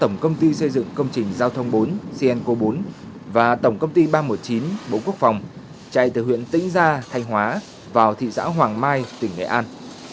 tổng công ty xây dựng công trình giao thông bốn cn bốn và tổng công ty ba trăm một mươi chín bộ quốc phòng chạy từ huyện tĩnh gia thanh hóa vào thị xã hoàng mai tỉnh nghệ an